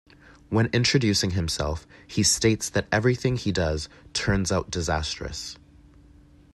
When introducing himself, he states that everything he does "turns out disastrous.